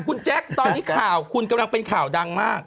คุณแจ๊คตอนนี้ข่าวคุณกำลังเป็นข่าวดังมาก